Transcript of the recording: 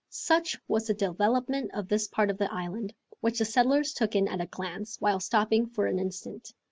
Such was the development of this part of the island, which the settlers took in at a glance, while stopping for an instant.